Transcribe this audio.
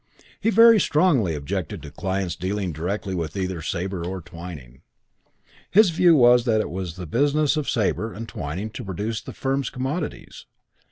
He very strongly objected to clients dealing directly with either Sabre or Twyning. His view was that it was the business of Sabre and of Twyning to produce the firm's commodities.